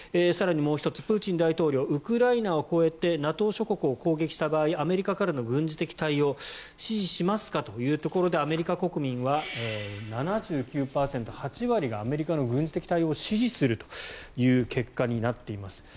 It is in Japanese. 更にもう１つプーチン大統領はウクライナを越えてＮＡＴＯ諸国を攻撃した場合アメリカからの軍事的対応支持しますかというところでアメリカ国民は７９％、８割がアメリカの軍事的な対応を支持するという結果になっています。